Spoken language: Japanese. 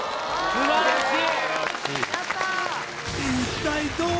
素晴らしい！